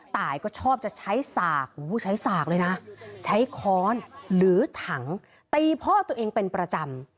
ตายก็ชอบจะใช้สากใช้สากเลยนะใช้ค้อนหรือถังตีพ่อตัวเองเป็นประจำ